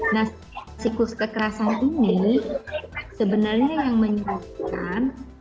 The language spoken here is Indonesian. nah siklus kekerasan ini sebenarnya yang menyebabkan